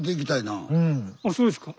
あそうですか？